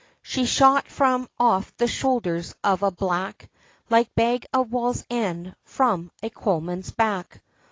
She's shot from off the shoulders of a black, Like bag of Wall's End from a coalman's back.